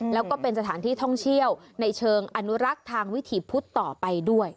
แล้วก็เป็นสถานที่ท่องเที่ยวในเชิงอนุรักษ์ทางวิถีพุทธต่อไปด้วย